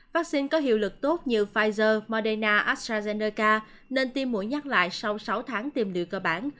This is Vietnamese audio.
vaccine có hiệu lực tốt như pfizer madena astrazeneca nên tiêm mũi nhắc lại sau sáu tháng tìm lựa cơ bản